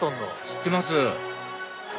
知ってます